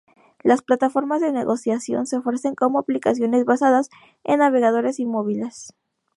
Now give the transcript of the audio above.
Las plataformas de negociación se ofrecen como aplicaciones basadas en navegadores y móviles.